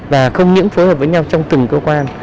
và không những phối hợp với nhau trong từng cơ quan